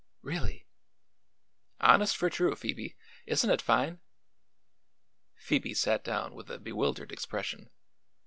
"Really?" "Honest for true, Phoebe. Isn't it fine?" Phoebe sat down with a bewildered expression.